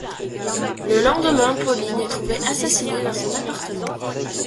Le lendemain, Pauline est trouvée assassinée dans son appartement.